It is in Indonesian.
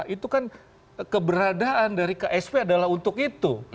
itu kan keberadaan dari ksp adalah untuk itu